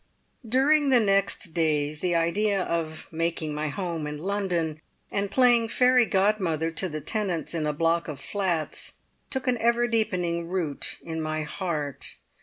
During the next days the idea of making my home in London, and playing fairy godmother to the tenants in a block of flats, took an ever deepening root in my heart.